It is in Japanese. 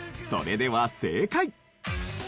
それでは正解。